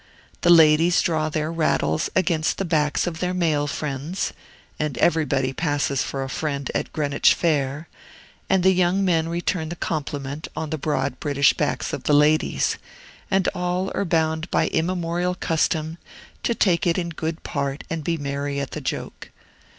The ladies draw their rattles against the backs of their male friends (and everybody passes for a friend at Greenwich Fair), and the young men return the compliment on the broad British backs of the ladies; and all are bound by immemorial custom to take it in good part and be merry at the joke.